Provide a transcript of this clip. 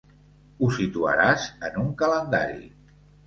Ho situaràs en un calendari.